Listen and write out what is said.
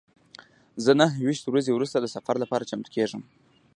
زه نهه ویشت ورځې وروسته د سفر لپاره چمتو کیږم.